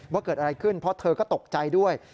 ว่าเกิดอะไรขึ้นเพราะเธอก็ตกใจด้วย